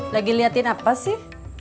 lagi liatin apa sih